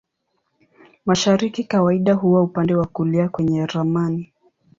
Mashariki kawaida huwa upande wa kulia kwenye ramani.